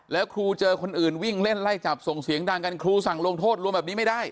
แล้วครูเจอคนอื่นวิ่งเล่นไล่จับส่งเสียงดังกันครูสั่งลงโทษรวมแบบนี้ไม่ได้